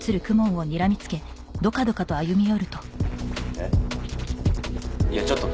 「えっ？いやちょっと」